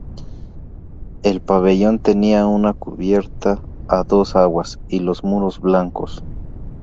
El pabellón tenía una cubierta a dos aguas y los muros blancos.